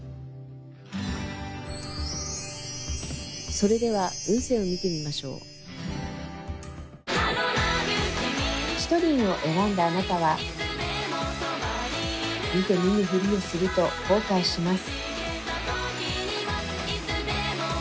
それでは運勢を見てみましょうシトリンを選んだあなたは見て見ぬふりをすると後悔します